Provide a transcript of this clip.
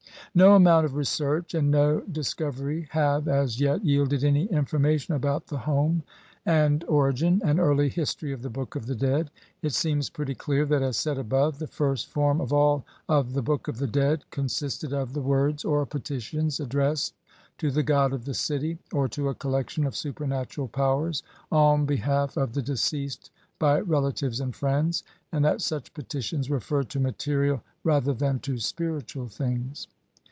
No amount of research and no discovery have, as yet, yielded any information about the home, and origin, and early history of the Book of the Dead. It seems pretty clear that, as said above, the first form of all of the Book of the Dead consisted of the words or petitions addressed to the "god of the city", or to a collection of supernatural powers, on behalf of the deceased by relatives and friends, and that such petitions referred to material rather than to spiri tual things.